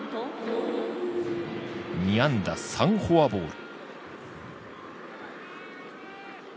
２安打、３フォアボール。